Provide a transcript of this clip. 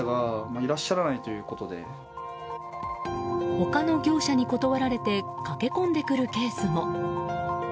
他の業者に断られて駆け込んでくるケースも。